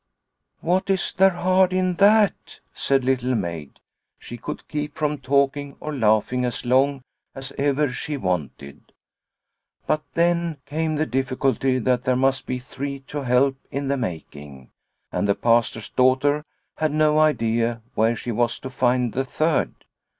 " What is there hard in that ?" said Little Maid. She could keep from talking or laughing as long as ever she wanted. But then came the difficulty that there must be three to help in the making, and the Pastor's daughter had no idea where she was to find the third.